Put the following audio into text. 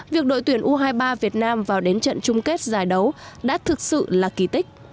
việc đội tuyển u hai mươi ba việt nam vào đến trận chung kết giải đấu đã thực sự là kỳ tích